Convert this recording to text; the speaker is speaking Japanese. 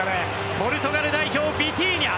ポルトガル代表ビティーニャ